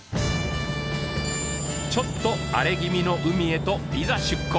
ちょっと荒れ気味の海へといざ出港。